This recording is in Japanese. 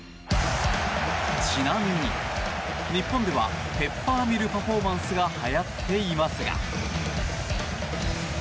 ちなみに、日本ではペッパーミルパフォーマンスがはやっていますが。